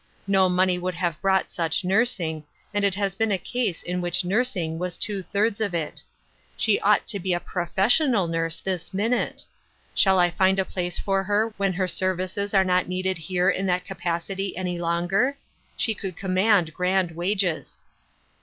No money would have bought such nursing, and it has been a case in which nursing was two thirds of it. She ought to be a professional nurse this minute. Shall I find a place for her when her services are not needed here in that capacity any longer? She could command grand wages."